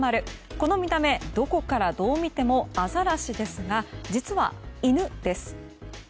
この見た目、どこからどう見てもアザラシですが実は、犬です。